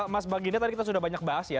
mas baginda tadi kita sudah banyak bahas ya